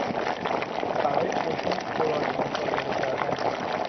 برای قشون خوراک مصادره کردن